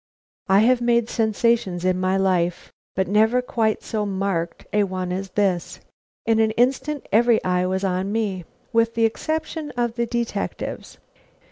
I have made sensations in my life, but never quite so marked a one as this. In an instant every eye was on me, with the exception of the detective's.